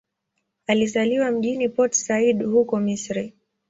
Alizaliwa mjini Port Said, huko Misri.